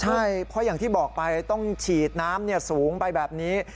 ใช่เพราะอย่างที่บอกไปต้องฉีดน้ำสูงไปแบบนี้